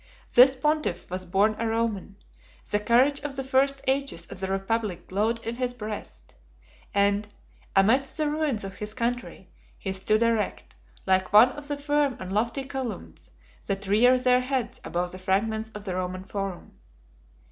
This pontiff was born a Roman; the courage of the first ages of the republic glowed in his breast; and, amidst the ruins of his country, he stood erect, like one of the firm and lofty columns that rear their heads above the fragments of the Roman forum.